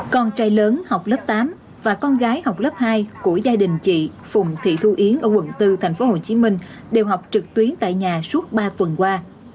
con trai lớn học lớp tám và con gái học lớp hai của gia đình chị phùng thị thu yến ở quận bốn thành phố hồ chí minh đều học trực tuyến tại nhà suốt ba tuần qua